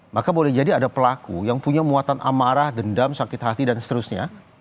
maka boleh jadi ada pelaku yang punya muatan amarah dendam sakit hati dan seterusnya